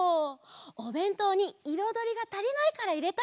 おべんとうにいろどりがたりないからいれたいの。